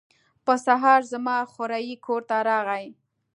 په سهار زما خوریی کور ته راغی.